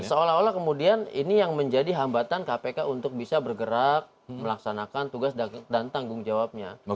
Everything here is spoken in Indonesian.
seolah olah kemudian ini yang menjadi hambatan kpk untuk bisa bergerak melaksanakan tugas dan tanggung jawabnya